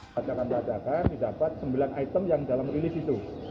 pada kami adakan didapat sembilan item yang dalam rilis itu